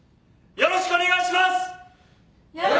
よろしくお願いします。